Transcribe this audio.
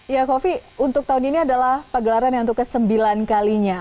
ya coffee untuk tahun ini adalah pagelaran yang untuk ke sembilan kalinya